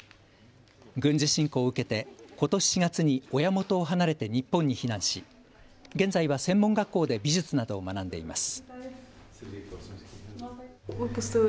軍事侵攻を受けてことし４月に親元を離れて日本に避難し現在は専門学校で美術などを学んでいます。